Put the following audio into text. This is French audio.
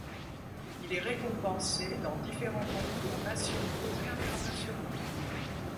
Il est récompensé dans différents concours nationaux et internationaux.